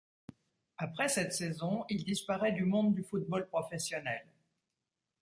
Après cette saison, il disparaît du monde du football professionnel.